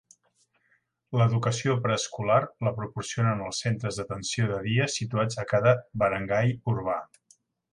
L'educació preescolar la proporcionen els centres d'atenció de dia situats a cada barangay urbà.